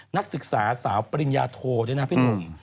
นักศึกษาสาวปริญญาโทด้วยนะพี่หนุ่ม